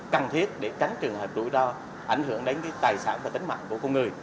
cần thiết để tránh trường hợp đối đo ảnh hưởng đến tài sản và tính mạng của con người